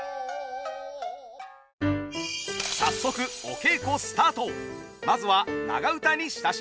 早速お稽古スタート。